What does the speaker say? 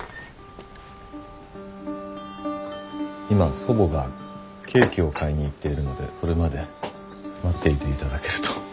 今祖母がケーキを買いに行っているのでそれまで待っていて頂けると。